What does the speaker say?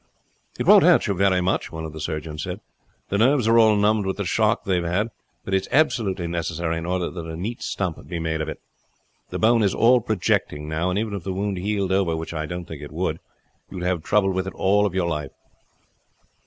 "It won't hurt you very much," one of the surgeons said. "The nerves are all numbed with the shock they have had, but it is absolutely necessary in order that a neat stump may be made of it. The bone is all projecting now; and even if the wound healed over, which I don't think it would, you would have trouble with it all your life."